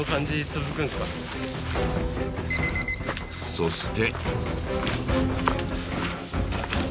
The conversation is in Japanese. そして。